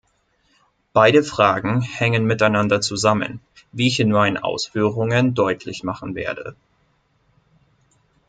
Beide Fragen hängen miteinander zusammen, wie ich in meinen Ausführungen deutlich machen werde.